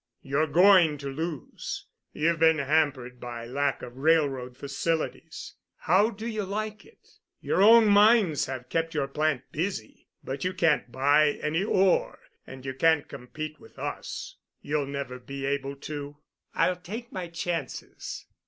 You're going to lose. You've been hampered by lack of railroad facilities. How do you like it? Your own mines have kept your plant busy, but you can't buy any ore and you can't compete with us. You'll never be able to." "I'll take my chances."